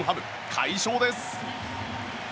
快勝です。